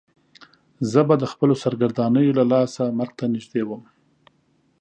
زه به د خپلو سرګردانیو له لاسه مرګ ته نږدې وم.